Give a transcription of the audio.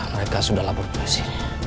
mereka sudah lapor polisi